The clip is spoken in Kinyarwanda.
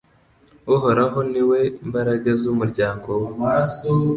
Uhoraho ni we mbaraga z’umuryango we